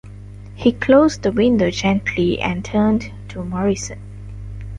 He closed the window gently and turned to Morrison.